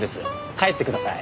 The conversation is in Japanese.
帰ってください。